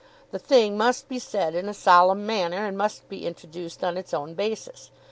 The thing must be said in a solemn manner, and must be introduced on its own basis.